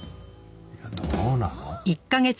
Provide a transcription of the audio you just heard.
いやどうなの？